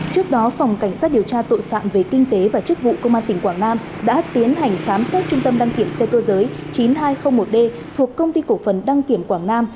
trước đó phòng cảnh sát điều tra tội phạm về kinh tế và chức vụ công an tỉnh quảng nam đã tiến hành khám xét trung tâm đăng kiểm xe cơ giới chín nghìn hai trăm linh một d thuộc công ty cổ phần đăng kiểm quảng nam